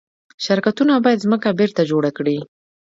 شرکتونه باید ځمکه بیرته جوړه کړي.